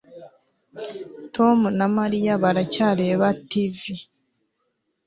Tom na Mariya baracyareba TV